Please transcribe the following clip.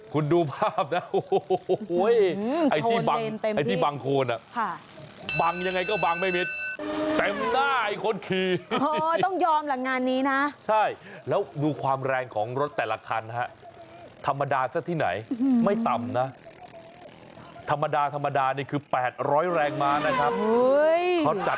คุณดูภาพนะโอ้โหโอ้ยโทนเลนเต็มที่ไอ้ที่บังคูณอ่ะ